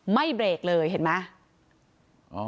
ไม่เบรกเลยเห็นมั้ย